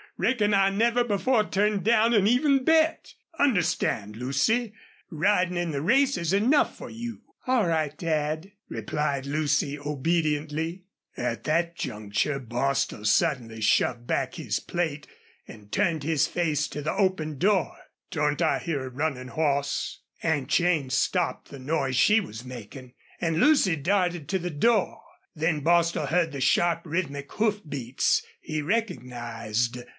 Reckon I never before turned down an even bet. Understand, Lucy, ridin' in the race is enough for you." "All right, Dad," replied Lucy, obediently. At that juncture Bostil suddenly shoved back his plate and turned his face to the open door. "Don't I hear a runnin' hoss?" Aunt Jane stopped the noise she was making, and Lucy darted to the door. Then Bostil heard the sharp, rhythmic hoof beats he recognized.